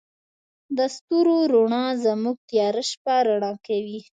د ستورو رڼا زموږ تیاره شپه رڼا کوي.